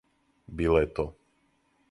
Била је то.